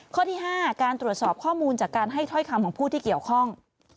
ข้อที่๕การตรวจสอบข้อมูลจากการให้ถ้อยคำของผู้ที่เกี่ยวข้อง